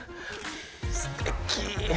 すてき！